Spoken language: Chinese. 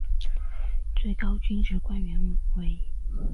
最高军职官员为。